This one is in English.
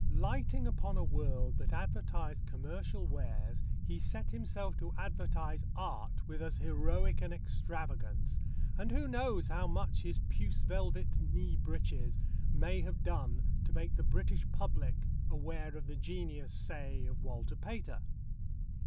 Lighting upon a world that advertised commercial wares, he set himself to advertise art with, as heroic an extravagance, and who knows how much his puce velvet knee breeches may have done to make the British public aware of the genius, say, of Walter Pater?